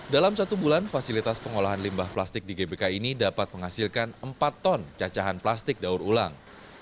dalam satu bulan fasilitas pengolahan limbah plastik di gbk ini dapat menghasilkan empat ton cacahan plastik daur ulang